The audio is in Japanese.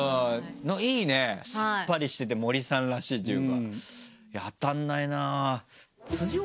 いいねさっぱりしてて森さんらしいというか当たんないな。